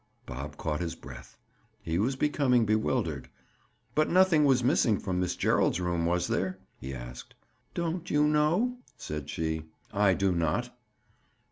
Bob caught his breath. He was becoming bewildered. "But nothing was missing from Miss Gerald's room, was there?" he asked. "Don't you know?" said she. "I do not."